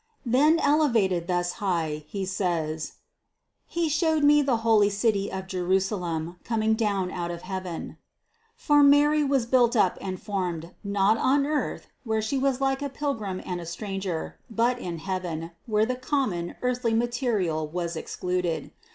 Then elevated thus high, he says: ''He showed me the holy city of Jerusalem, 220 CITY OF GOD coming down out of heaven," for Mary was built up and formed, not on earth, where She was like a pil grim and a stranger, but in heaven, where the common, earthly material was excluded.